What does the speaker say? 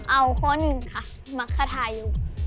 เอาข้อ๑ค่ะมักกะทายก